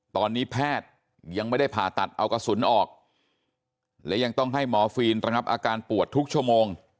ตอนนี้แพทย์ยังไม่ได้ผ่าตัดเอากระสุนออกและยังต้องให้หมอฟีนระงับอาการปวดทุกชั่วโมง